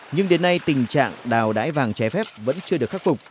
nhưng đến nay tình trạng đào đái vàng trái phép vẫn chưa được khắc phục